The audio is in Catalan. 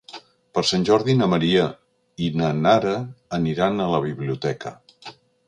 Per Sant Jordi na Maria i na Nara aniran a la biblioteca.